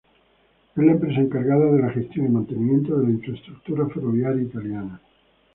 Es la empresa encargada de la gestión y mantenimiento de la infraestructura ferroviaria italiana.